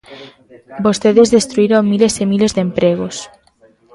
Vostedes destruíron miles e miles de empregos.